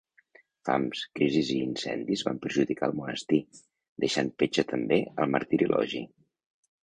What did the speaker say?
Fams, crisis i incendis van perjudicar el monestir, deixant petja també al Martirologi.